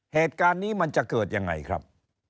เหตุการณ์นี้มันจะเกิดยังไงครับ